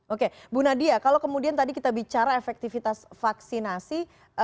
oke bu nadia kalau kemudian tadi kita bicara efektivitas vaksinasi